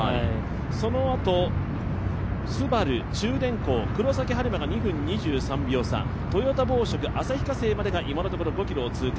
そのあとＳＵＢＡＲＵ、中電工、黒崎播磨が２分２３秒差、トヨタ紡織、旭化成までが今のところ５ｋｍを通過。